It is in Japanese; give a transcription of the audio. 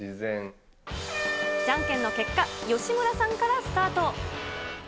じゃんけんの結果、吉村さんからスタート。